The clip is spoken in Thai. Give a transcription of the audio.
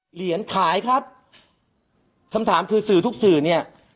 เหรียญขายครับคำถามคือสื่อทุกสื่อเนี่ย